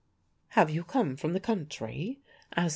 "Have you come from the country?" asked M.